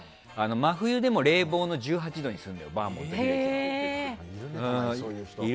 真冬でも冷房の１８度にするのバーモント秀樹って。